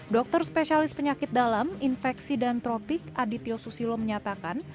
dokter spesialis penyakit dalam infeksi dan tropik adityo susilo menyatakan